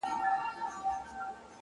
• انډیوالۍ کي احسان څۀ ته وایي ..